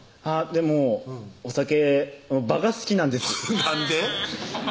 でもお酒の場が好きなんですなんで？